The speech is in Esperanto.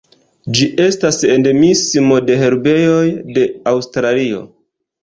Ĝi estas endemismo de herbejoj de Aŭstralio.